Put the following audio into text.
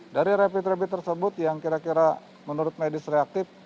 dari rapid rapid tersebut yang kira kira menurut medis reaktif